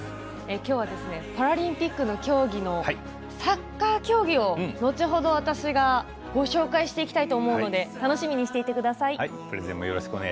きょうはパラリンピックの競技のサッカー競技を後ほど、私がご紹介していきたいと思うので楽しみにしていてください。